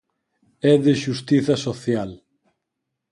É de xustiza social.